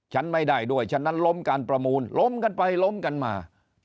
ฉันไม่ได้ด้วยฉะนั้นล้มการประมูลล้มกันไปล้มกันมา